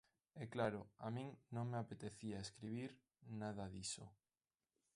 E claro, a min non me apetecía escribir nada diso.